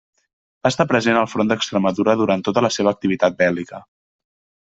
Va estar present al front d'Extremadura durant tota la seva activitat bèl·lica.